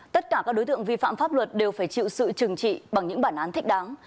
tất cả các đối tượng vi phạm pháp luật đều phải chịu sự trừng trị bằng những bản án thích đáng